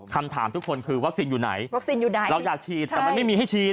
คำถามทุกคนคือวัคซีนอยู่ไหนเราอยากฉีดแต่มันไม่มีให้ฉีด